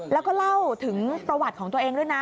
แล้วก็เล่าถึงประวัติของตัวเองด้วยนะ